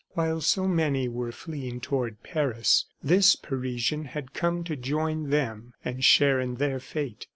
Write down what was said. While so many were fleeing toward Paris, this Parisian had come to join them and share in their fate.